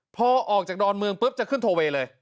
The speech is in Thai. พอออกจากดอนเมืองปุ๊บจะขึ้นโทเวย์เลย